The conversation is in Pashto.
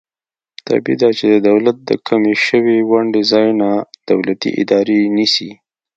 طبعي ده چې د دولت د کمې شوې ونډې ځای نا دولتي ادارې نیسي.